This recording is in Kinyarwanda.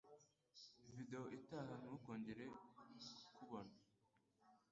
video itaha Ntukongere kukubona